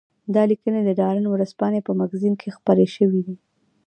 دا لیکنې د ډان ورځپاڼې په مګزین کې خپرې شوې وې.